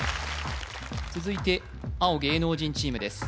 続いて青芸能人チームです